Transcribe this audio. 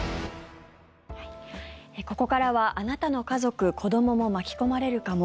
ここからはあなたの家族、子どもも巻き込まれるかも？